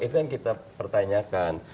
itu yang kita pertanyakan